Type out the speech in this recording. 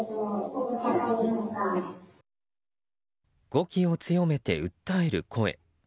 語気を強めて訴える声。